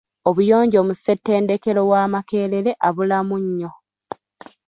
Obuyonjo mu ssetendekero wa Makerere abulamu nnyo